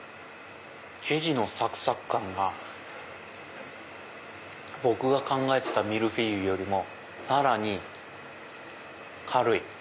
生地のサクサク感が僕が考えてたミルフィーユよりもさらに軽い。